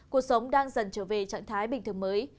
cuộc sống đang dần trở về trạng thái bình thường mới